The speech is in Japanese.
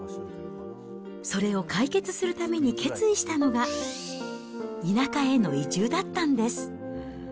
それを解決するために決意したのが、田舎への移住だったんです。